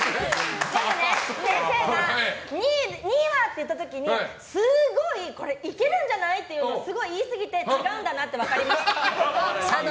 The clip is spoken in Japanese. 先生、２位は？って言った時にすごい、これいけるんじゃない？っていうのをすごい言いすぎてて違うんだなって分かりました。